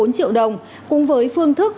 bốn mươi bốn triệu đồng cùng với phương thức